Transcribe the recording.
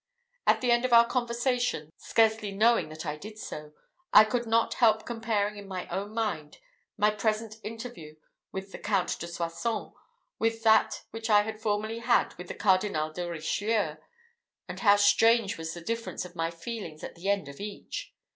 At the end of our conversation, scarcely knowing that I did so, I could not help comparing in my own mind my present interview with the Count de Soissons, and that which I had formerly had with the Cardinal de Richelieu; and how strange was the difference of my feelings at the end of each!